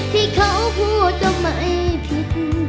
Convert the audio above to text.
ที่เขาพูดก็ไม่ผิด